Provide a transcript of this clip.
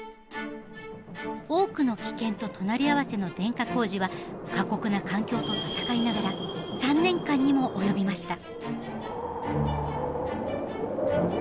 多くの危険と隣り合わせの電化工事は過酷な環境と戦いながら３年間にも及びました。